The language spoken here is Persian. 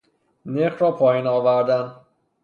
نرخ را پائین آوردن